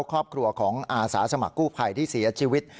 ครอบครัวของอาสาสมัครกู้ภัยที่เสียชีวิต